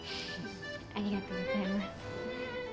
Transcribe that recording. ありがとうございます。